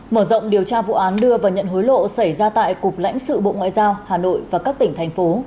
mở rộng điều tra vụ án đưa và nhận hối lộ xảy ra tại cục lãnh sự bộ ngoại giao hà nội và các tỉnh thành phố